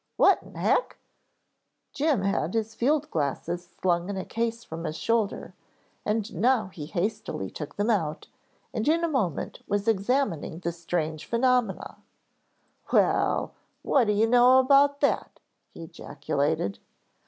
"What in heck?" Jim had his field glasses slung in a case from his shoulder, and now he hastily took them out and in a moment was examining the strange phenomena. "Well, what do you know about that!" he ejaculated.